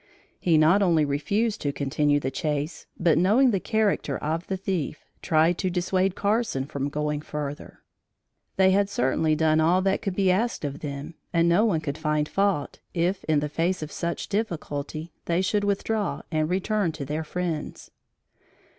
He not only refused to continue the chase, but, knowing the character of the thief, tried to dissuade Carson from going further. They had certainly done all that could be asked of them and no one could find fault if, in the face of such difficulty, they should withdraw and return to their friends.